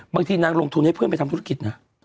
บางทีนางลงทุนให้เพื่อนไปทำธุรกิจนะ